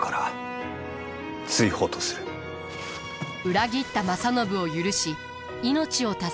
裏切った正信を許し命を助けた家康。